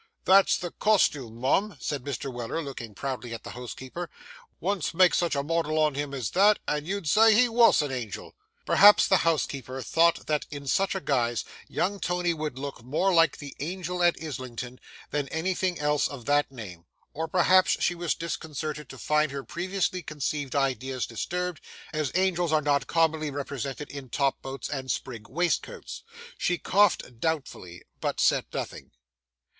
'That's the cos toom, mum,' said Mr. Weller, looking proudly at the housekeeper. 'Once make sich a model on him as that, and you'd say he wos an angel!' Perhaps the housekeeper thought that in such a guise young Tony would look more like the angel at Islington than anything else of that name, or perhaps she was disconcerted to find her previously conceived ideas disturbed, as angels are not commonly represented in top boots and sprig waistcoats. She coughed doubtfully, but said nothing.